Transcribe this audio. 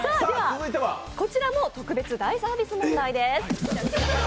こちらも特別大サービス問題です。